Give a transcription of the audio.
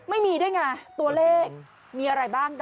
ไม่มีด้วยไงตัวเลขมีอะไรบ้าง